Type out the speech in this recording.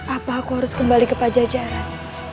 apa aku harus kembali ke pajajaran